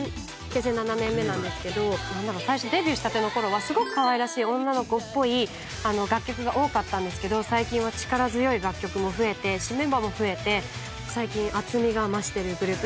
結成７年目なんですけど最初デビューしたてのころはすごくかわいらしい女の子っぽい楽曲が多かったんですけど最近は力強い楽曲も増えて新メンバーも増えて最近厚みが増してるグループになってます。